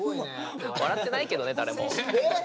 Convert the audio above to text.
笑ってないけどね誰も。え！